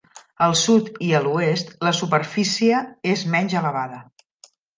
Al sud i a l'oest, la superfície és menys elevada.